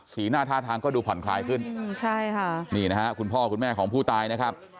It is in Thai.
สีหน้าท่าทางก็ดูผ่อนคลายขึ้นคุณพ่อคุณแม่ของผู้ตายนะครับ